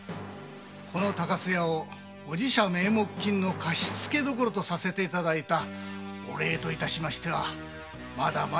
この高須屋をお寺社名目金の貸付所とさせていただいたお礼と致しましてはまだまだ足りぬと思っております。